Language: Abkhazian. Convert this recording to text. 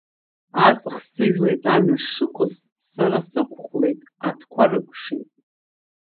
Аҵх сыжәлеит амҩа сшықәыз, сара сықәхәлеит, атқәа рыкәшеит.